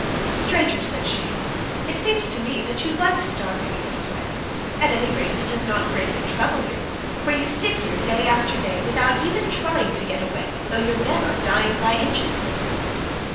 'Stranger,' said she, 'it seems to me that you like starving in this way—at any rate it does not greatly trouble you, for you stick here day after day, without even trying to get away though your men are dying by inches.